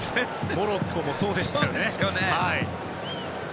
モロッコもそうでしたね。